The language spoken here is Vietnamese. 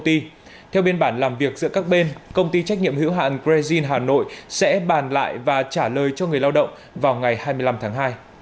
theo biên bản làm việc giữa các bên công ty trách nhiệm hữu hạn grazil hà nội sẽ bàn lại và trả lời cho người lao động vào ngày hai mươi năm tháng hai